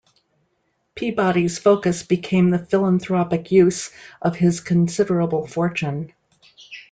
Peabody's focus became the philanthropic use of his considerable fortune.